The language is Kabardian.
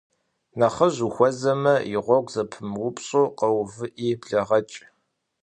Нэхъыжь ухуэзэмэ, и гъуэгу зэпумыупщӏу, къэувыӏи блэгъэкӏ.